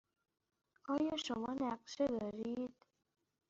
آیا شما نقشه دارید؟